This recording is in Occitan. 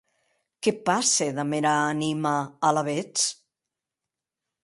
Qué passe damb era anima, alavetz?